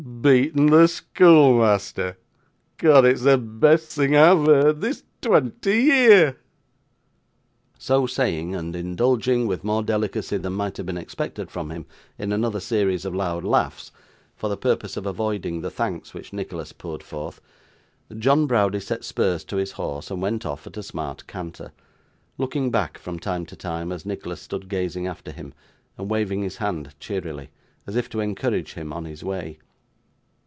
Beatten the schoolmeasther! 'Cod it's the best thing a've heerd this twonty year!' So saying, and indulging, with more delicacy than might have been expected from him, in another series of loud laughs, for the purpose of avoiding the thanks which Nicholas poured forth, John Browdie set spurs to his horse, and went off at a smart canter: looking back, from time to time, as Nicholas stood gazing after him, and waving his hand cheerily, as if to encourage him on his way.